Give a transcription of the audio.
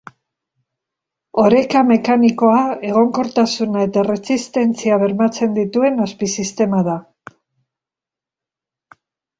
Oreka mekanikoa, egonkortasuna eta erresistentzia bermatzen dituen azpisistema da.